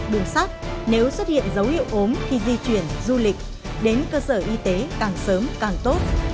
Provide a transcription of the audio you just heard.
đường sát nếu xuất hiện dấu hiệu ốm khi di chuyển du lịch đến cơ sở y tế càng sớm càng tốt